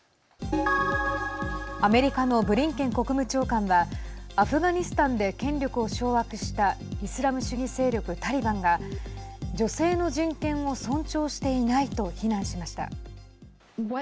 アメリカのブリンケン国務長官はアフガニスタンで権力を掌握したイスラム主義勢力タリバンが女性の人権を尊重していないと非難しました。